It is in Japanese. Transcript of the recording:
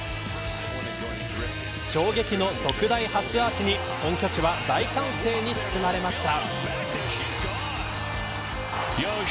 衝撃の特大初アーチに本拠地は大歓声に包まれました。